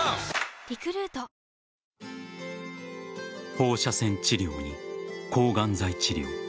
放射線治療に抗がん剤治療。